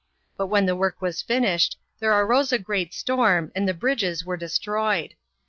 But when the work was finished, there arose a great storm, and the bridges were destroyed.